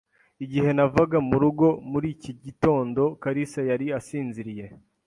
Igihe navaga mu rugo muri iki gitondo, kalisa yari asinziriye.